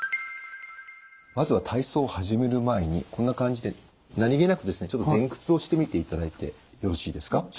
まずは体操を始める前にこんな感じで何気なくちょっと前屈をしてみていただいてよろしいですか？